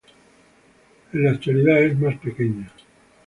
En la actualidad es más pequeño.